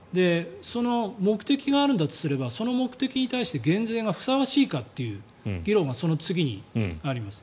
目的があるんだとすればその目的に対して減税がふさわしいかという議論がその次にあります。